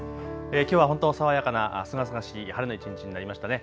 きょうは本当爽やかなすがすがしい晴れの一日になりましたね。